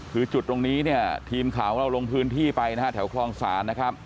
คือจุดตรงนี้ทีมข่าวเราลงพื้นที่ไปแถวคลองศาล